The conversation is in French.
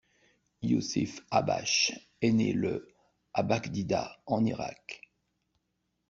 Yousif Habash est né le à Bakhdida en Irak.